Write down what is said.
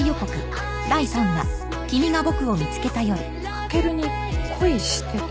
翔に恋してた？